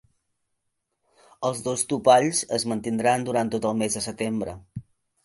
Els dos topalls es mantindran durant tot el mes de setembre.